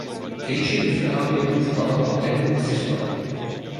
Krejčí ve finále jednou skóroval a jednou asistoval.